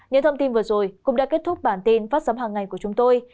những thông tin vừa rồi cũng đã kết thúc bản tin phát sóng hàng ngày của chúng tôi